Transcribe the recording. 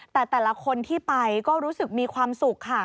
แต่แต่ละคนที่ไปก็รู้สึกมีความสุขค่ะ